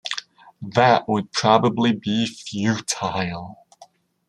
That would probably be futile.